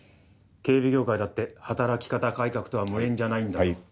警備業界だって働き方改革とは無縁じゃないんだぞ。